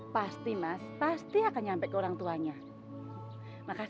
pasti mas pasti akan nyampe ke orang tuanya